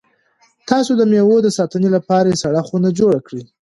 تاسو د مېوو د ساتنې لپاره سړه خونه جوړه کړئ.